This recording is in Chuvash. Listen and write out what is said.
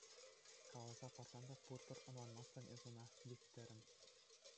Каласа парсан та пурпӗр ӑнланмастӑн эсӗ ӑна, Вихтӗрӗм.